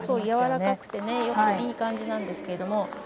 やわらかくていい感じなんですけれども。